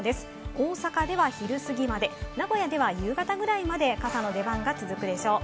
大阪では昼すぎまで、名古屋では夕方ぐらいまで傘の出番が続くでしょう。